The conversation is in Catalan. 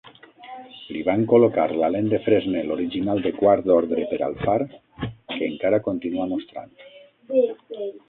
Li van col·locar la lent de Fresnel original de quart ordre per al far, que encara continua mostrant.